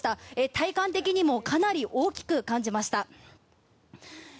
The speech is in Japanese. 体感的にもかなり大きく感じました。